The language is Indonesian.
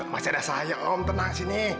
masih ada saya om tenang sini